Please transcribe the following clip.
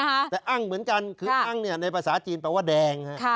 อ้างยี่นะครับแต่อ้างเหมือนกันคืออ้างเนี่ยในภาษาจีนแปลว่าแดง